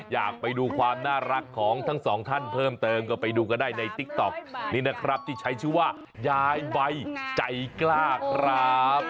อยากไปดูความน่ารักของทั้งสองท่านเพิ่มเติมก็ไปดูกันได้ในติ๊กต๊อกนี้นะครับที่ใช้ชื่อว่ายายใบใจกล้าครับ